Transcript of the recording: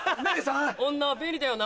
女は便利だよな